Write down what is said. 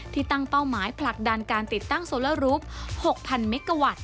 ตั้งเป้าหมายผลักดันการติดตั้งโซเลอรูป๖๐๐เมกาวัตต์